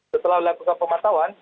setelah dilakukan pemantauan